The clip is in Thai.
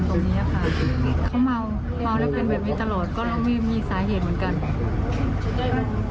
เค้าเม้าเม้าได้เป็นแบบนี้ตลอดก็ไม่มีสาเหตุเหมือนกัน